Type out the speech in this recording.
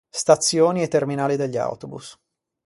Stazioni e terminali degli autobus.